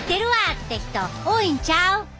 って人多いんちゃう？